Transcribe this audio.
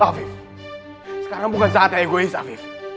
afif sekarang bukan saatnya egois afif